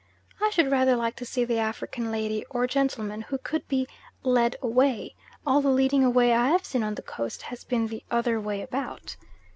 I should rather like to see the African lady or gentleman who could be "led away" all the leading away I have seen on the Coast has been the other way about.